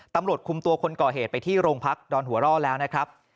ตำรวจคุมตัวคนก่อเหตุไปที่โรงพักดอนหัวร่อแล้วนะครับ